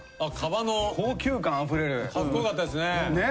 かっこよかったですね。ねぇ。